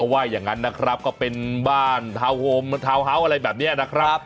ว่ายังงั้นนะครับก็เป็นบ้านทาวงเหาะอะไรแบบนี้นะครับ